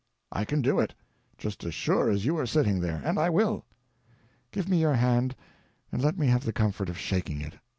"I can do it, just as sure as you are sitting there. And I will." "Give me your hand, and let me have the comfort of shaking it.